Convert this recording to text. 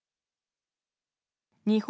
日本